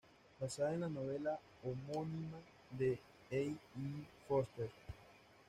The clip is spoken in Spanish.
Basada en la novela homónima de E. M. Forster.